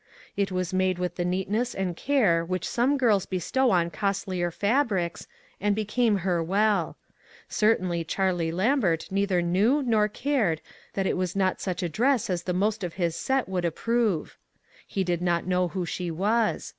It was made with the neat ness and care which some girls bestow on costlier fabrics, and became her well. Cer tainly Charlie Lambert neither knew nor cared that it was not such a dress as the most of his set would approve. lie did not know who she was.